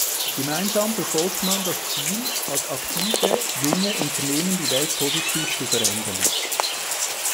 Gemeinsam verfolgt man das Ziel, als aktive, junge Unternehmer die Welt positiv zu verändern.